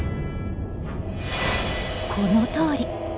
このとおり。